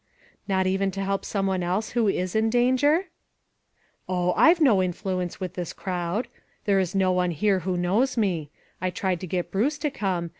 "Not even to help some one else who is in danger ?"" Oh ! I have no influence with this crowd. There is no one here who knows me. I tried to get Bruce to come.